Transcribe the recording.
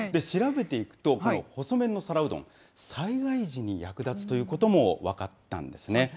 調べていくと、この細麺の皿うどん、災害時に役立つということも分かったんですね。